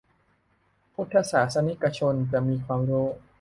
พุทธศาสนิกชนจะมีความรู้